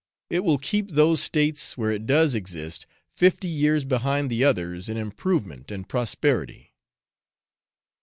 It will keep those states where it does exist fifty years behind the others in improvement and prosperity.'